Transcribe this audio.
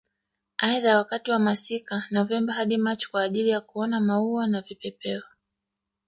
Aidha wakati wa masika Novemba hadi Machi kwa ajili ya kuona maua na vipepeo